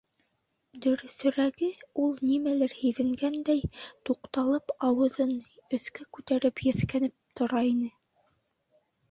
Дөрөҫөрәге, ул нимәлер һиҙенгәндәй, туҡталып, ауыҙын өҫкә күтәреп, еҫкәнеп тора ине.